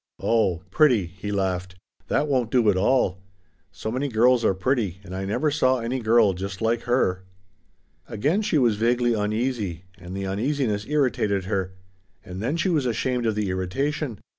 "Oh pretty," he laughed, "that won't do at all. So many girls are pretty, and I never saw any girl just like her." Again she was vaguely uneasy, and the uneasiness irritated her, and then she was ashamed of the irritation.